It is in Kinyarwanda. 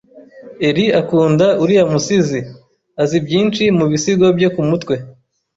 Ellie akunda uriya musizi. Azi byinshi mu bisigo bye kumutwe.